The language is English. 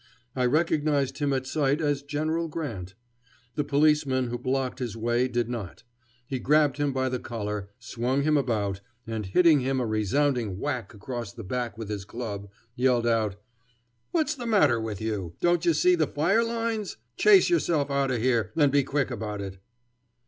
I recognized him at sight as General Grant. The policeman who blocked his way did not. He grabbed him by the collar, swung him about, and, hitting him a resounding whack across the back with his club, yelled out: "What's the matter with you? Don't you see the fire lines? Chase yourself out of here, and be quick about it."